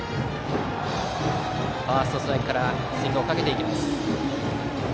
ファーストストライクからスイングをかけていきます。